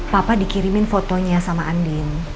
papa dikirimin fotonya sama andin